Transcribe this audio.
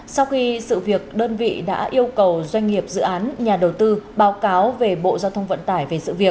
sau khi sự việc đơn vị đã yêu cầu doanh nghiệp dự án nhà đầu tư báo cáo về bộ giao thông vận tải